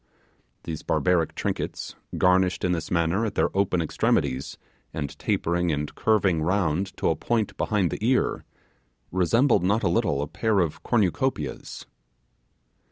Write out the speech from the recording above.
These barbaric trinkets, garnished in this manner at their open extremities, and tapering and curving round to a point behind the ear, resembled not a little a pair of cornucopias.